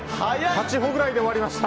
８歩ぐらいで終わりました。